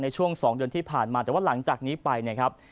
ในช่วง๒เดือนที่ผ่านมาแต่ว่าหลังจากนี้ไปนะครับ